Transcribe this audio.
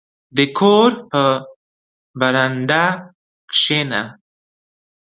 • د کور په برنډه کښېنه.